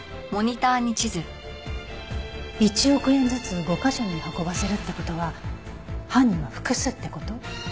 １億円ずつ５カ所に運ばせるって事は犯人は複数って事？